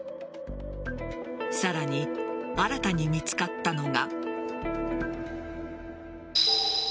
さらに新たに見つかったのが。